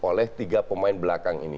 oleh tiga pemain belakang ini